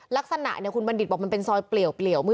ลักษณะเนี่ยคุณบัณฑิตบอกมันเป็นซอยเปลี่ยวมืด